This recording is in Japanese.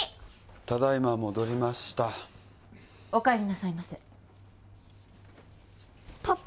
ただいま戻りましたお帰りなさいませパパ